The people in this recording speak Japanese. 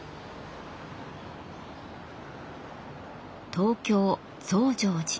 東京増上寺。